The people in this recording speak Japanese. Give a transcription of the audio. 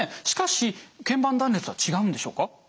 しかし腱板断裂は違うんでしょうか？